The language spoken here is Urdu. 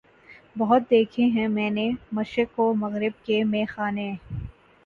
بہت دیکھے ہیں میں نے مشرق و مغرب کے مے خانے